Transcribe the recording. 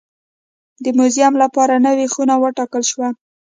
د موزیم لپاره نوې خونه وټاکل شوه.